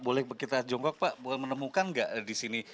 boleh kita jongkok pak boleh menemukan nggak disini